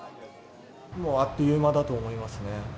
もうあっという間だと思いますね。